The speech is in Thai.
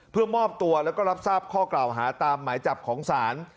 เพื่อมอบตัวแล้วก็รับทราบข้อกล่าวหาตามหมายจับของศาล